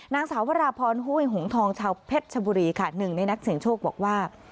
นางสาววราพรหุ้ยหงทองชาวเพชรชบุรีค่ะหนึ่งในนักเสียงโชคบอกว่า